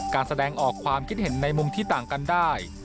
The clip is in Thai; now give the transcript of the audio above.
การแสดงออกความคิดเห็นในมุมที่ต่างกันได้